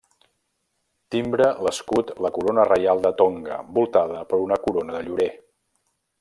Timbra l'escut la Corona Reial de Tonga voltada per una corona de llorer.